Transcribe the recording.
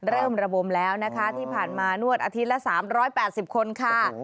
เริ่มระบมแล้วนะคะที่ผ่านมานวดอาทิตย์ละ๓๘๐คนค่ะ